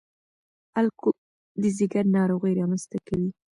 الکول د ځګر ناروغۍ رامنځ ته کوي.